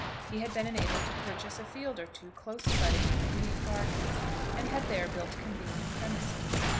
He had been enabled to purchase a field or two close abutting on the glebe gardens, and had there built convenient premises.